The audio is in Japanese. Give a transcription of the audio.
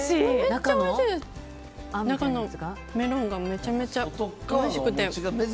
中のメロンがめちゃめちゃおいしくて。